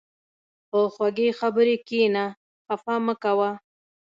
په خوږې خبرې کښېنه، خفه مه کوه.